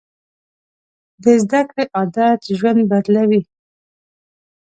د زده کړې عادت ژوند بدلوي.